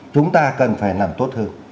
chúng ta cần phải làm tốt hơn